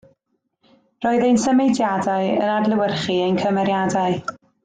Roedd ein symudiadau yn adlewyrchu ein cymeriadau